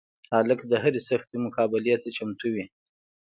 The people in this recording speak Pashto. هلک د هر سختي مقابلې ته چمتو وي.